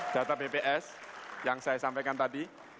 data bps yang saya sampaikan tadi